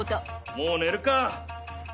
もう寝るか。